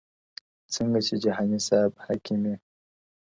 څنګه چي جهاني صاحب حکیمي